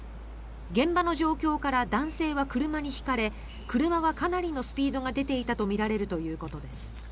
現場の状況から男性は車にひかれ車はかなりのスピードが出ていたとみられるということです。